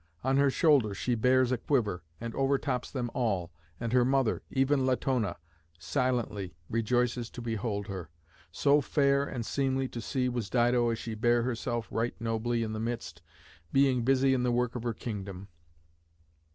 On her shoulder she bears a quiver, and overtops them all, and her mother, even Latona, silently rejoices to behold her. So fair and seemly to see was Dido as she bare herself right nobly in the midst, being busy in the work of her kingdom.